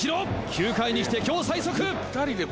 ９回にして今日最速！